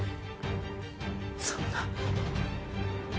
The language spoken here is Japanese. そんな。